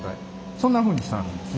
そんなふうにしてあるんです。